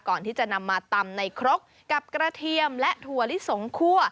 ก่อนที่จะนำมาตำในครกกับกระเทียมและถั่วลิสงคั่ว